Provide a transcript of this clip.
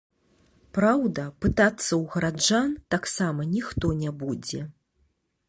Праўда, пытацца ў гараджан таксама ніхто не будзе.